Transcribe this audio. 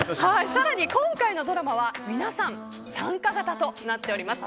更に今回のドラマは皆さん、参加型となっております。